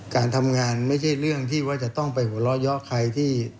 การทำงานไม่ใช่เรื่องที่ว่าจะต้องไปหัวเราะเยาะใครที่